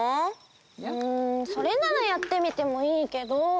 うんそれならやってみてもいいけど。